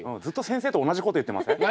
ずっと先生と同じこと言ってません？